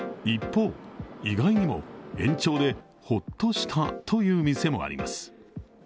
一方、意外にも延長でホッとしたという店もあります。